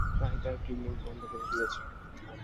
তাই তার ক্লিনিক বন্ধ করে দিয়েছি।